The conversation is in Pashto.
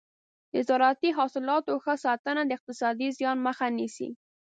د زراعتي حاصلاتو ښه ساتنه د اقتصادي زیان مخه نیسي.